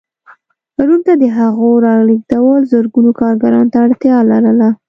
روم ته د هغو رالېږدول زرګونو کارګرانو ته اړتیا لرله.